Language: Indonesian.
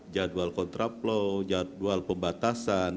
jadwal kontraplau jadwal pembatasan